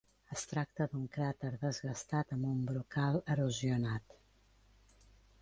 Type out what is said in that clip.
Es tracta d'un cràter desgastat amb un brocal erosionat.